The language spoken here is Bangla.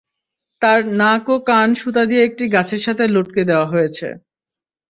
তার নাক ও কান সুতা দিয়ে একটি গাছের সাথে লটকে দেয়া হয়েছে।